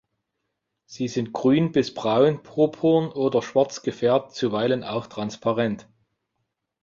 Sie sind grün bis braun, purpurn oder schwarz gefärbt, zuweilen auch transparent.